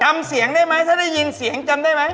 จำเสียงได้ไหมถ้าได้ยินเสียงจำได้ไหม